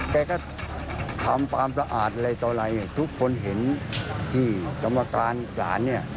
แกก็ทำความสะอาดอะไรต่ออะไรทุกคนเห็นที่กรรมการศาลเนี่ย